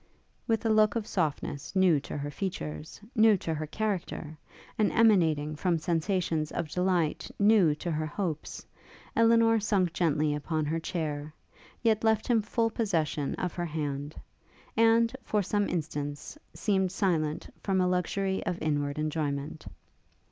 With a look of softness new to her features, new to her character, and emanating from sensations of delight new to her hopes, Elinor sunk gently upon her chair, yet left him full possession of her hand; and, for some instants, seemed silent from a luxury of inward enjoyment.